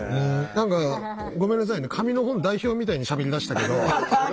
何かごめんなさいね紙の本代表みたいにしゃべりだしたけど。